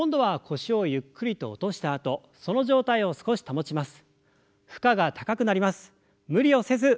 腰をゆっくりと落としてその状態を少し保ちます。